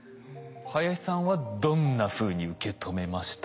林さんはどんなふうに受け止めました？